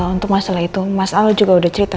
untuk masalah itu mas al juga udah cerita